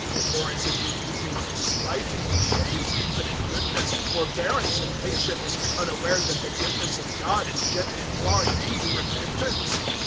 002:004 Or is it that you think slightingly of His infinite goodness, forbearance and patience, unaware that the goodness of God is gently drawing you to repentance?